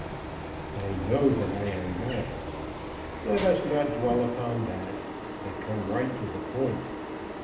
"I know that I am not. Let us not dwell upon that, but come right to the point.